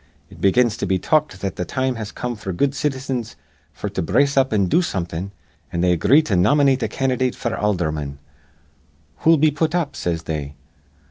It begins to be talked that th' time has come f'r good citizens f'r to brace up an' do somethin', an' they agree to nomynate a candydate f'r aldherman. 'Who'll we put up?' says they.